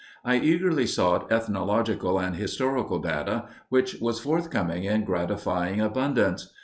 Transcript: I eagerly sought ethnological and historical data, which was forthcoming in gratifying abundance.